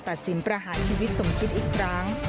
ตัดสินประหารชีวิตสมคิดอีกครั้ง